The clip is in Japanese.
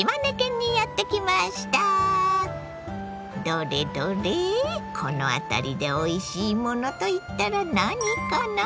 どれどれこの辺りでおいしいものといったら何かな？